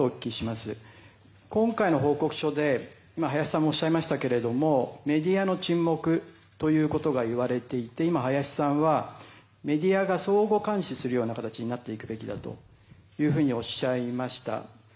今回の報告書で林さんもおっしゃいましたけどもメディアの沈黙ということが言われていて今、林さんはメディアが相互監視するような形になっていくべきだとおっしゃいました。